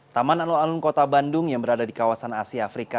taman alun alun kota bandung yang berada di kawasan asia afrika